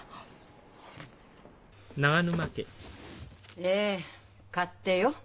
ええ勝手よ。